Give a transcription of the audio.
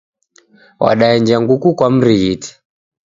Wadaenja nguku kwa mrighiti